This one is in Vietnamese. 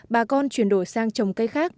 bà con chuyển đổi sang trồng cây khác